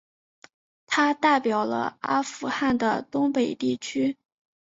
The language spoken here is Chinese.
他代表了阿富汗的东北地区。